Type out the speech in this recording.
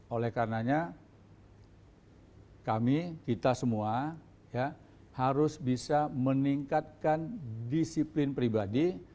oleh karenanya kami kita semua harus bisa meningkatkan disiplin pribadi